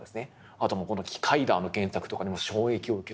あと「キカイダー」の原作とかにも衝撃を受けると。